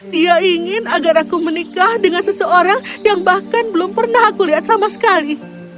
dia ingin agar aku menikah dengan seseorang yang bahkan belum pernah aku lihat sama sekali